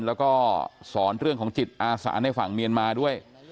แล้วก็สอนเรื่องของจิตอาสาในฝั่งเมียนมาด้วย